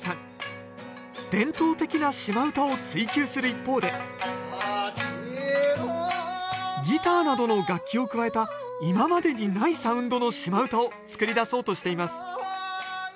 伝統的なシマ唄を追求する一方でギターなどの楽器を加えた今までにないサウンドのシマ唄を作り出そうとしています